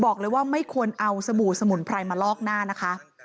บอกเลยว่าไม่ควรเอาสบู่สมุนไพรมาลอกหน้านะคะ